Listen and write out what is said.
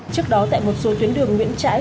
trước đó tại một số tuyến đường nguyễn trãi